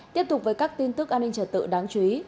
tiếp tục với các tin tức an ninh trở tự đáng chú ý